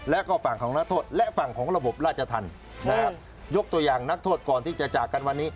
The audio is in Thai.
และฝั่งของนักโทษและฝั่งของระบบราชทัศน